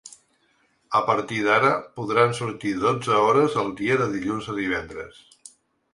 A partir d’ara podran sortir dotze hores al dia de dilluns a divendres.